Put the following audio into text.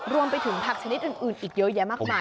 รวมไปถึงผักชนิดอื่นอีกเยอะแยะมากมาย